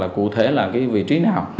cụ thể là vị trí nào